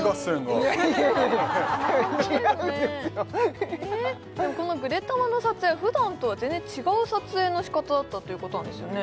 ホントですねでもこの「ぐでたま」の撮影ふだんとは全然違う撮影のしかただったということなんですよね